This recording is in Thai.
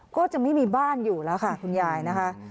ก็จะไม่มีบ้านอยู่แล้วค่ะคุณยายนะคะ